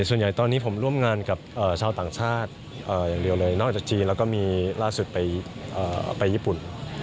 ส่วนใหญ่ตอนนี้ผมร่วมงานกับชาวต่างชาติอย่างเดียวเลยนอกจากจีนแล้วก็มีล่าสุดไปญี่ปุ่น